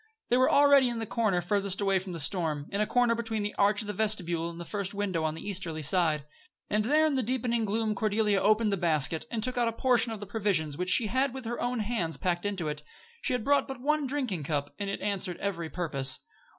They were already in the corner farthest away from the storm in a corner between the arch of the vestibule and the first window on the easterly side. And there in the deepening gloom Cordelia opened the basket, and took out a portion of the provisions she had with her own hands packed into it. She had brought but one drinking cup, but it answered every purpose.